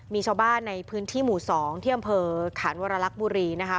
มีชาวบ้านในพื้นที่หมู่๒ที่อำเภอขานวรรลักษณ์บุรีนะคะ